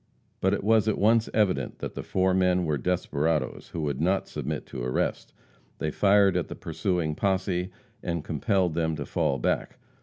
But it was at once evident that the four men were desperadoes, who would not submit to arrest. They fired at the pursuing posse, and compelled them to fall back.